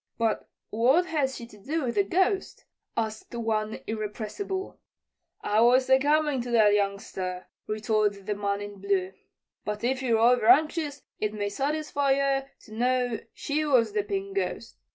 "But what has she to do with the Ghost?" asked one irrepressible. "I was a comin' to that, youngster," retorted the man in blue; "but if ye're overanxious, it may satisfy yer to know she was the Pink Ghost.